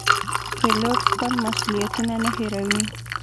پیلوټ خپل مسوولیتونه نه هېروي.